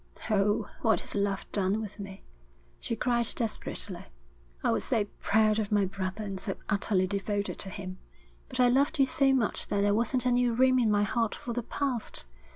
'Oh, what has love done with me?' she cried desperately. 'I was so proud of my brother and so utterly devoted to him. But I loved you so much that there wasn't any room in my heart for the past.